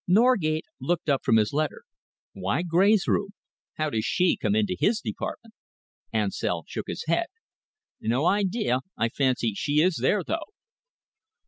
Norgate looked up from his letters. "Why Gray's room? How does she come into his department?" Ansell shook his head. "No idea. I fancy she is there, though."